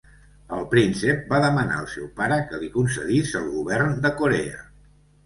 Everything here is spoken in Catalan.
El príncep va demanar al seu pare que li concedís el govern de Corea.